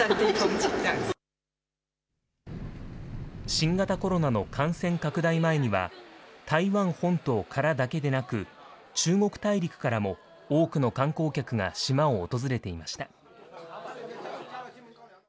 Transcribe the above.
新型コロナの感染拡大前には、台湾本島からだけでなく、中国大陸からも多くの観光客が島を訪れていました。